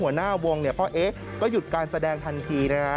หัวหน้าวงพ่อเอ๊ก็หยุดการแสดงทันทีนะครับ